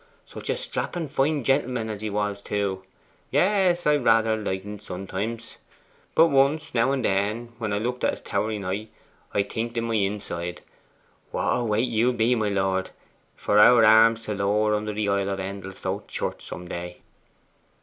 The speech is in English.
Such a strappen fine gentleman as he was too! Yes, I rather liked en sometimes. But once now and then, when I looked at his towering height, I'd think in my inside, "What a weight you'll be, my lord, for our arms to lower under the aisle of Endelstow Church some day!"